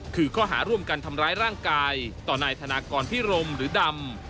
คือข้อหาร่วมกันทำร้ายร่างกายต่อนายธนากรพิรมหรือดำ